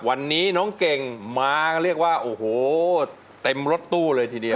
วันนี้น้องเก่งมาเรียกว่าโอ้โหเต็มรถตู้เลยทีเดียว